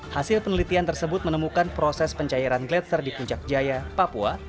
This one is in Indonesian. hasil penelitian tersebut menemukan proses pencairan gladser di puncak jaya papua